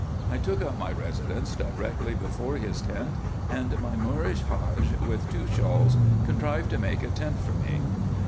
I took up my residence directly before his tent, and my Moorish Hadge, with two shawls, contrived to make a tent for me.